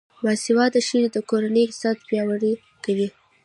باسواده ښځې د کورنۍ اقتصاد پیاوړی کوي.